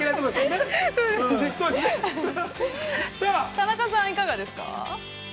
◆田中さん、いかがですか。